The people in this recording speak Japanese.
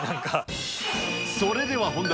それでは本題。